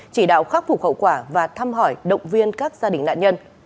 chỉ đạo khắc phục hậu quả và thăm hỏi động viên các gia đình nạn nhân